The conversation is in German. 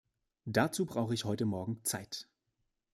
Dazu brauche ich heute Morgen Zeit.